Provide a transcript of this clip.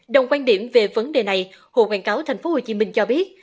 đồng quan điểm về vấn đề này hồ quảng cáo tp hcm cho biết